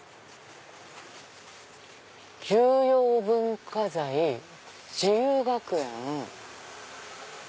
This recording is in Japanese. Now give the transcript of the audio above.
「重要文化財自由学園」。